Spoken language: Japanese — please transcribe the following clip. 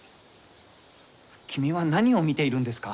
君は何を見ているんですか？